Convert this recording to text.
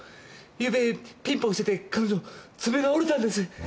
ゆうべピンポンしてて彼女爪が折れたんです！